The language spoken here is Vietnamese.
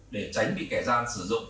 để tránh bị kẻ gian sử dụng